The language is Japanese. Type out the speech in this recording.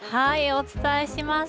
お伝えします。